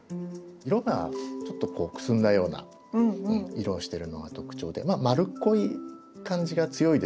色がちょっとくすんだような色をしてるのが特徴でまあ丸っこい感じが強いですかね。